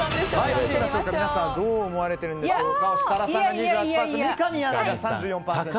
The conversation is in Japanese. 視聴者の皆さんはどう思われているんでしょうか。